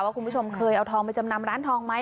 คุณผู้ชมเคยเอาทองไปจำนำร้านทองไหม